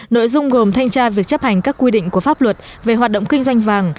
nội dung gồm thanh tra việc chấp hành các quy định của pháp luật về hoạt động kinh doanh vàng